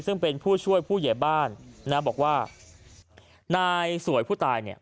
ซึ่งเป็นผู้ช่วยผู้ใหญ่บ้านนะบอกว่านายสวยผู้ตายเนี่ย